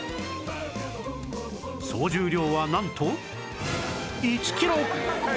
総重量はなんと１キロ！